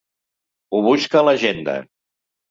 Ho busca a l'agenda.